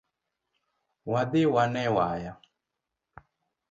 Wadhi wane waya